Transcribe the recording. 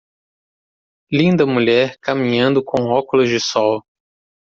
Linda mulher caminhando com óculos de sol.